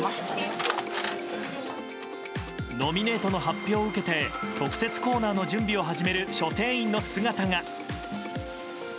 ノミネートの発表を受けて特設コーナーの準備を始める書店員の姿が。